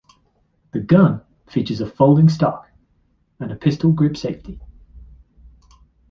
The gun features a folding stock and a pistol grip safety.